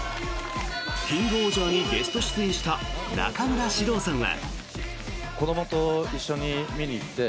「キングオージャー」にゲスト出演した中村獅童さんは。